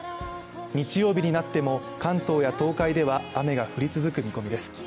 日曜日になっても、関東や東海では雨が降り続く見込みです。